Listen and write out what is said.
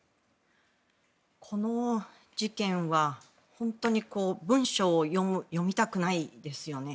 この事件は本当に文章を読みたくないですよね。